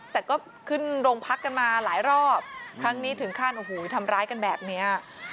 แต่ก็ขึ้นโรงพักกันมาหลายรอบครั้งนี้ถึงขั้นโอ้โหทำร้ายกันแบบนี้